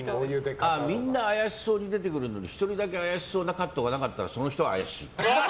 みんな怪しそうに出てくるのに１人だけ怪しそうなカットがなかったらその人は怪しい。